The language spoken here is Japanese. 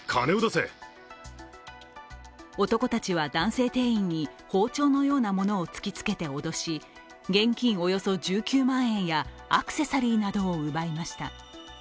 男たちは男性店員に包丁のようなものを突きつけて脅し現金およそ１９万円やアクセサリーなどを奪いました。